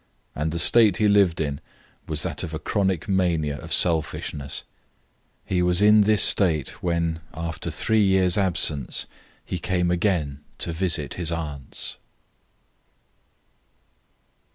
And the state he lived in was that of a chronic mania of selfishness. He was in this state when, after three years' absence, he came again to visit his aunts.